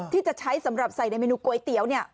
ที่จะใช้สำหรับใส่ในเมนูก๋วยเตี๋ยวเนี่ย